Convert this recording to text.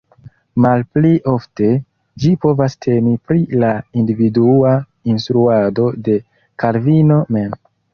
Malpli ofte, ĝi povas temi pri la individua instruado de Kalvino mem.